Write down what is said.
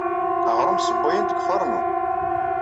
Aɣrum ssewwayen-t deg ufarnu.